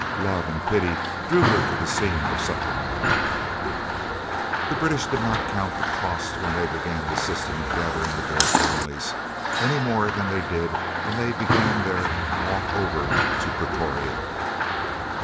Love and pity drew her to the scene of suffering. The British did not count the cost when they began the system of gathering in the Boer families, any more than they did when they began their "walk over" to Pretoria.